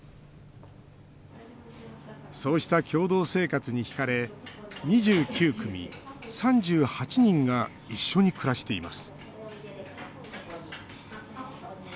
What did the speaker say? そうした共同生活に引かれ２９組３８人が一緒に暮らしています。